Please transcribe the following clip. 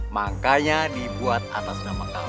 makanya dibuat atas nama kawah